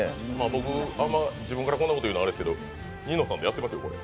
僕、自分でこんなこと言うのあれですけど「ニノさん」でやってますよ、これ。